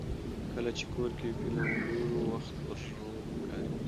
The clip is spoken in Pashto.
کله چې کور کې فلم ګورو، وخت ورو ښکاري.